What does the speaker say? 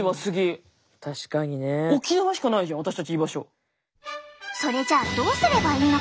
確かにね。それじゃあどうすればいいのか？